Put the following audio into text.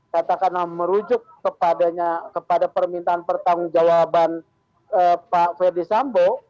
katakanlah merujuk kepada permintaan pertanggung jawaban pak ferdisambo